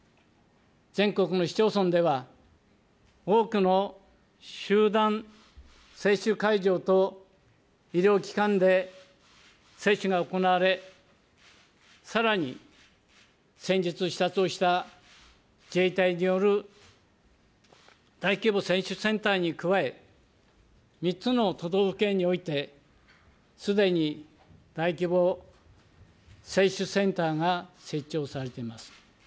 全国の市町村では多くの集団接種会場と医療機関で接種が行われ、さらに先日、視察をした、自衛隊による大規模接種センターに加え、３つの都道府県において、すでに大規模接種センターが設置をされています。